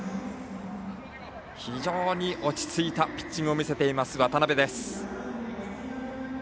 非常に落ち着いたピッチングを見せています渡邊。